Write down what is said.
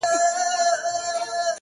له خپله سیوري خلک ویریږي-